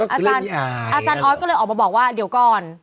อาจารย์ออสก็เลยออกมาบอกว่าเดี๋ยวก่อน